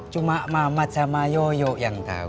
cuma mamat sama yoyo yang tahu